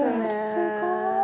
すごい。